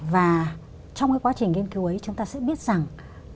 và trong cái quá trình nghiên cứu ấy chúng ta sẽ biết rằng